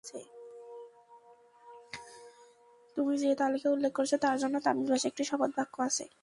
তুমি যে তালিকা উল্লেখ করেছ, তার জন্য তামিল ভাষায় একটা শপথ বাক্য আছে।